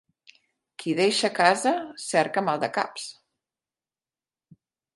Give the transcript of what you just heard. Qui deixa casa cerca maldecaps.